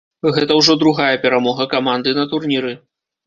Гэта ўжо другая перамога каманды на турніры.